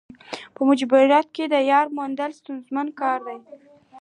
په مجبوریت کې یار موندل ستونزمن کار دی.